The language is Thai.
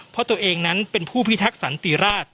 เพราะตัวเองนั้นเป็นผู้พิทักษันติราช